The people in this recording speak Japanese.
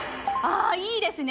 いいですね。